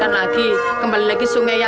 seperti apa bisa dibuat jalannya